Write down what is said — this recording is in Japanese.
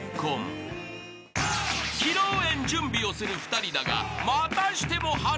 ［披露宴準備をする２人だがまたしても波乱が］